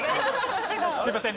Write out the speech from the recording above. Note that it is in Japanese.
すいません。